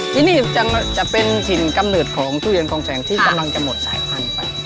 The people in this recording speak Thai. ที่นี่จะเป็นถิ่นกำเนิดของทุเรียนกองแสงที่กำลังจะหมดสายพันธุ์ไป